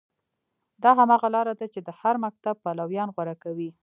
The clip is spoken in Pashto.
دا هماغه لاره ده چې د هر مکتب پلویان غوره کوي.